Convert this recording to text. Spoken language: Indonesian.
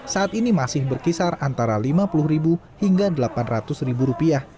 saat ini masih berkisar antara lima puluh hingga delapan ratus rupiah